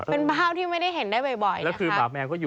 เป็นภาพที่ไม่ได้เห็นได้บ่อย